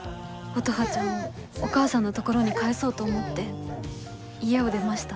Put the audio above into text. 乙葉ちゃんをお母さんのところに返そうと思って家を出ました。